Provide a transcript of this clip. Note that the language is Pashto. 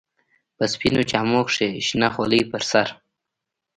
په سپينو جامو کښې شنه خولۍ پر سر.